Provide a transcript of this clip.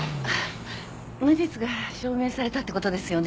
無実が証明されたってことですよね？